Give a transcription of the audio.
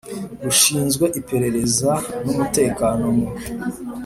Rushinzwe Iperereza n Umutekano mu